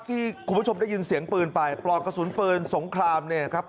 ที่คุณผู้ชมได้ยินเสียงปืนไปปลอกกระสุนปืนสงครามเนี่ยครับ